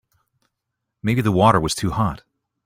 Maybe the water was too hot.